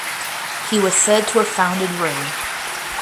He was said to have founded Rome.